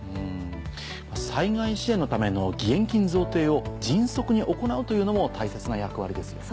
災害支援のための義援金贈呈を迅速に行うというのも大切な役割ですよね。